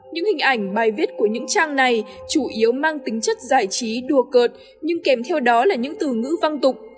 những hình ảnh bài viết của những trang này chủ yếu mang tính chất giải trí đùa cợt nhưng kèm theo đó là những từ ngữ văng tục